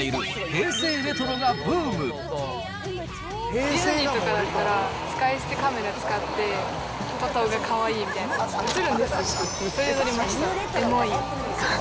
ディズニーとかだったら、使い捨てカメラ使って撮るのがかわいいみたいな。